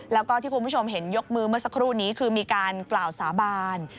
แล้วก็ที่คุณผู้ชมเห็นยกมือเมื่อสักครู่นี้คือมีการกล่าวสาบาน